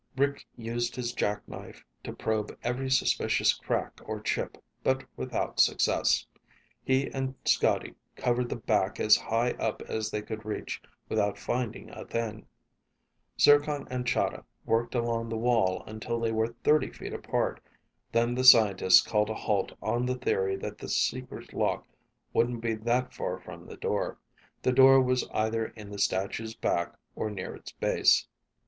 Rick used his jackknife to probe every suspicious crack or chip, but without success. He and Scotty covered the back as high up as they could reach without finding a thing. Zircon and Chahda worked along the wall until they were thirty feet apart, then the scientist called a halt on the theory that the secret lock wouldn't be that far from the door. The door was either in the statue's back or near its base.